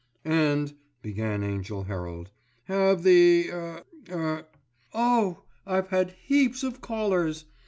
"And," began Angell Herald, "have the er—er——" "Oh! I've had heaps of callers.